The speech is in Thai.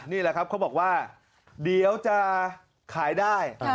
นี่แหละครับเขาบอกว่าเดี๋ยวจะขายได้